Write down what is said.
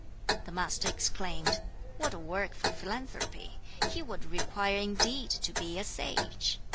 The Master exclaimed, "What a work for philanthropy! He would require indeed to be a sage!